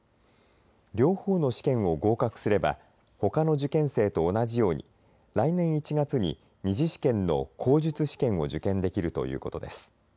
両方の試験を合格すればほかの受験生と同じように来年１月に２次試験の口述試験を受験できるということです。